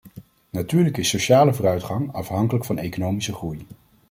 Natuurlijk is sociale vooruitgang afhankelijk van economische groei.